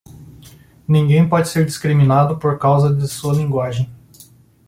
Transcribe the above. Ninguém pode ser discriminado por causa de sua linguagem.